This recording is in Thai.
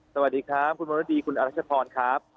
สวัสดีค่ะคุณมณฑีคุณอรัชภรครับ